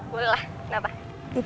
boleh lah kenapa